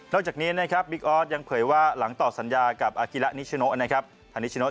นอกจากนี้บริกออธยังเผยว่าหลังตอบสัญญากับอากิรัตินิชชนกทันนิชชนก